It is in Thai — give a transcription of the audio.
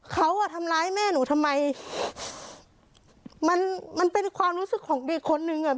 เขาอ่ะทำร้ายแม่หนูทำไมมันมันเป็นความรู้สึกของเด็กคนนึงอ่ะ